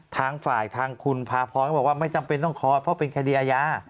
ทางฝ่ายทางคุณภาพรก็บอกว่าไม่จำเป็นต้องคอยเพราะเป็นคดีอาญา